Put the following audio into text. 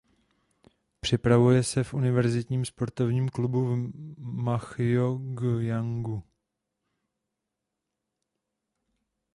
Připravuje se v univerzitním sportovním klubu v Pchjongjangu.